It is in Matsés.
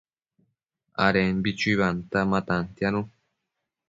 adembi chuibanta ma tantianu